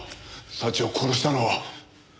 早智を殺したのは。